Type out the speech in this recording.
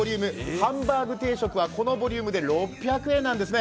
ハンバーグ定食は、このボリュームで６００円なんですね。